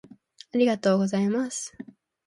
ありがとうございます